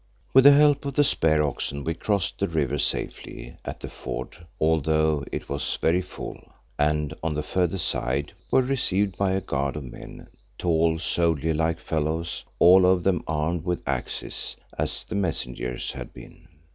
With the help of the spare oxen we crossed the river safely at the ford, although it was very full, and on the further side were received by a guard of men, tall, soldierlike fellows, all of them armed with axes as the messengers had been.